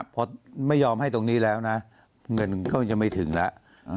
พอไม่ยอมให้ตรงนี้แล้วนะเงินก็จะไม่ถึงแล้ว